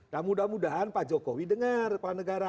nah mudah mudahan pak jokowi dengar kepala negara